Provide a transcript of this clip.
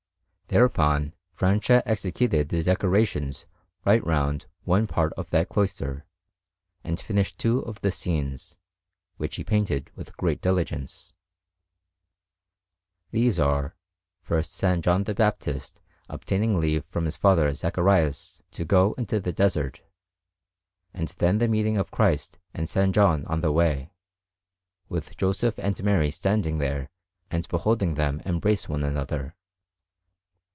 Thereupon Francia executed the decorations right round one part of that cloister, and finished two of the scenes, which he painted with great diligence. These are, first S. John the Baptist obtaining leave from his father Zacharias to go into the desert, and then the meeting of Christ and S. John on the way, with Joseph and Mary standing there and beholding them embrace one another.